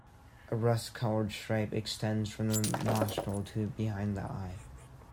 A rust-coloured stripe extends from the nostril to behind the eye.